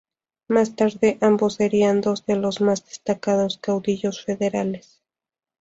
Más tarde, ambos serían dos de los más destacados caudillos federales.